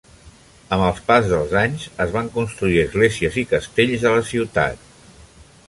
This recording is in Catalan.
Amb el pas dels anys, es van construir esglésies i castells a la ciutat.